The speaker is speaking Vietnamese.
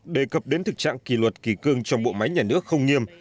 đề cập đến thực trạng kỳ luật kỳ cương trong bộ máy nhà nước không nghiêm